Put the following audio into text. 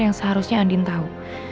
yang seharusnya andi tau